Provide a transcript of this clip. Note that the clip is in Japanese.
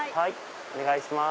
お願いします。